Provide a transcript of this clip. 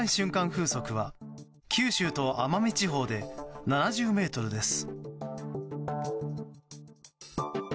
風速は九州と奄美地方で７０メートルです。